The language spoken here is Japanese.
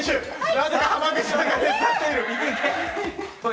なぜか濱口さんが手伝っている。